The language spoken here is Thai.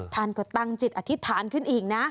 ท่านก็ตั้งจิตอธิษฐานขึ้นอีกนะ